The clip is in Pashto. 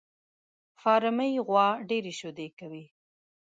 فارمي غوا ډېري شيدې کوي